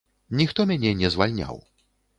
Ніхто мяне не звальняў.